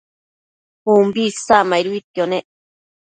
umbi isacmaiduidquio nec